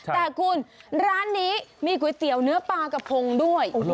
แต่คุณร้านนี้มีก๋วยเตี๋ยวเนื้อปลากระพงด้วย